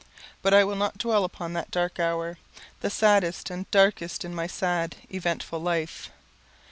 But I will not dwell upon that dark hour, the saddest and darkest in my sad eventful life.